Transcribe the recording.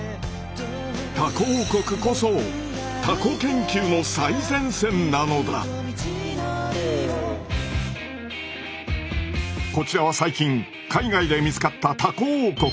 「タコ王国」こそこちらは最近海外で見つかったタコ王国。